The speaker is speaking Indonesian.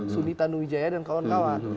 suni tanuwijaya dan kawan kawan